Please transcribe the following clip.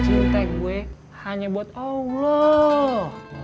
cinta gue hanya buat allah